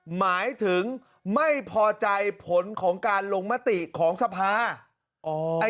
หมายถึงไม่พอใจผลของการลงมติของสภา